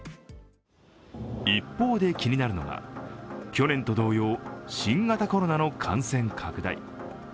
一方で気になるのが、去年と同様新型コロナの感染拡大。